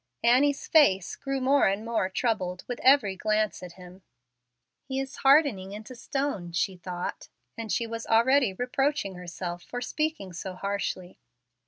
Annie's face grew more and more troubled with every glance at him. "He is hardening into stone," she thought; and she was already reproaching herself for speaking so harshly.